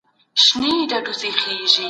پناه غوښتنه د ژوند ژغورلو یوه لار ده.